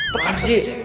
perkara tersebut cik